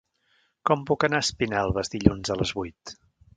Com puc anar a Espinelves dilluns a les vuit?